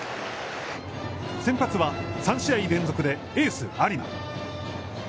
先発は３試合連続で、エース有馬。